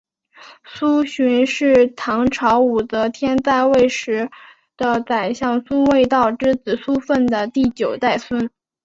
苏洵是唐朝武则天在位时的宰相苏味道之子苏份的第九代孙。